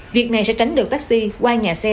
việc này sẽ tránh được taxi qua nhà xe